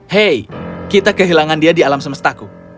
hei kita kehilangan dia di alam semestaku